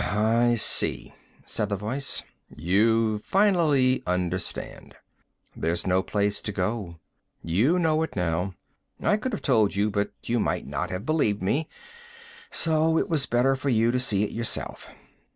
"I see," said the voice. "You finally understand. There's no place to go. You know it now. I could have told you, but you might not have believed me, so it was better for you to see it yourself.